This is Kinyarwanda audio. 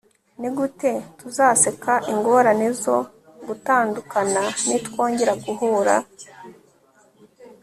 nigute tuzaseka ingorane zo gutandukana nitwongera guhura